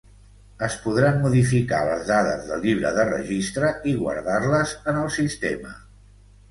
Es podran modificar les dades del llibre de registre i guardar-les en el sistema.